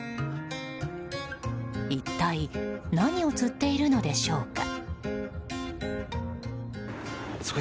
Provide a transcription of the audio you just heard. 一体何を釣っているのでしょうか。